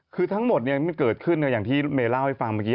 คือทั้งหมดเนี่ยมันเกิดขึ้นเนี่ยอย่างที่เมล่าให้ฟังเมื่อกี้